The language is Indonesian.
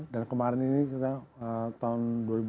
dan kemarin ini kita tahun dua ribu dua puluh tiga